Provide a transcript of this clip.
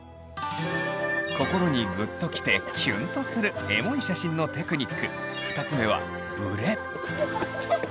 心にグッときてキュンとするエモい写真のテクニック２つ目はブレ。